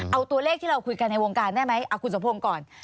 เอาตัวเลขที่เราคุยกันในวงการได้ไหมเอาคุณสมพงศ์ก่อน